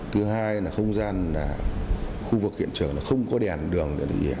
thứ hai là không gian là khu vực hiện trường là không có đèn đường